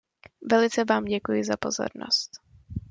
Velice vám děkuji za pozornost.